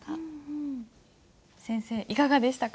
先生いかがでしたか？